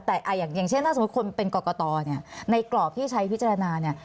แต่อย่างเช่นถ้าสมมุติคนเป็นกรกตเนี่ยในกรอบที่ใช้พิจารณาเนี่ย